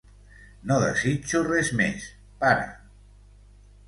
No desitjo res més, Pare.